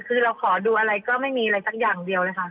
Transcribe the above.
คือเราขอดูอะไรก็ไม่มีอะไรสักอย่างเดียวเลยค่ะ